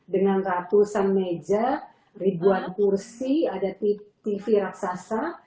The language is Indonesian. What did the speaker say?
dengan ratusan meja ribuan kursi ada tv raksasa